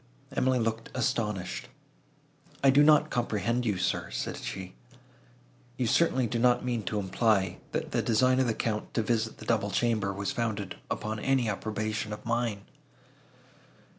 Emily looked astonished. "I do not comprehend you, sir," said she, "You certainly do not mean to imply, that the design of the Count to visit the double chamber, was founded upon any approbation of mine."